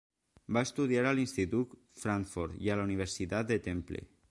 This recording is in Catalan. Va estudiar a l'institut Frankford i a la Universitat de Temple.